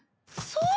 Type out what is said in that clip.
そう！